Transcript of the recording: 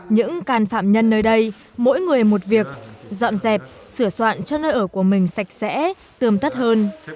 những can phạm nhân nơi đây mỗi người một việc dọn dẹp sửa soạn cho nơi ở của mình sạch sẽ tươm tắt hơn